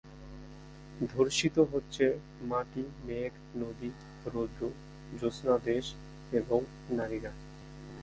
ধর্ষিত হচ্ছে মাটি মেঘ নদী রৌদ্র জ্যোৎস্না দেশ, এবং নারীরা।